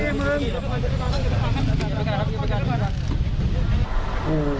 หลายปีเมื่อง